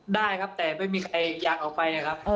ได้ครับแต่ไม่มีใครอยากออกไปนะครับ